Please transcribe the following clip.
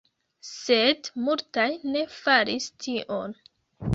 Sed multaj ne faris tion.